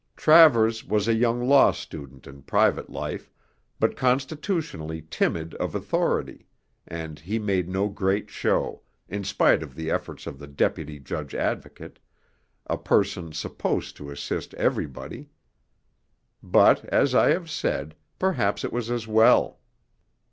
Travers was a young law student in private life, but constitutionally timid of authority, and he made no great show, in spite of the efforts of the Deputy Judge Advocate, a person supposed to assist everybody. But, as I have said, perhaps it was as well.